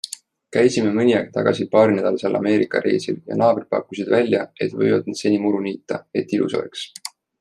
Käisime mõni aeg tagasi paarinädalasel Ameerika reisil ja naabrid pakkusid välja, et võivad seni muru niita, et ilus oleks.